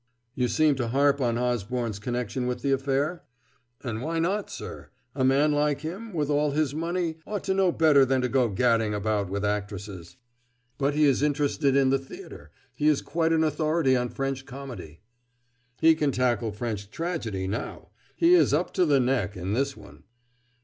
"You seem to harp on Osborne's connection with the affair?" "And why not, sir? A man like him, with all his money, ought to know better than to go gadding about with actresses." "But he is interested in the theater he is quite an authority on French comedy." "He can tackle French tragedy now he is up to the neck in this one."